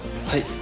はい。